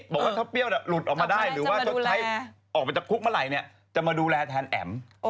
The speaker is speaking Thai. บอกว่าถ้าเปรี้ยวหลุดออกมาได้หรือว่าชดใช้ออกไปจากคุกเมื่อไหร่จะมาดูแลแทนแอ๋ม